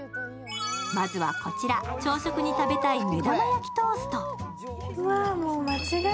まずはこちら、朝食に食べたい目玉焼きトースト。